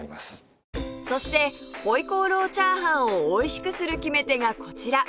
そして回鍋肉チャーハンをおいしくする決め手がこちら